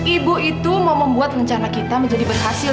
ibu itu mau membuat rencana kita menjadi berhasil